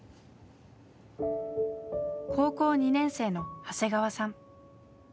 高校２年生の長谷川さん。